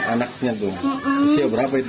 anaknya tuh usia berapa itu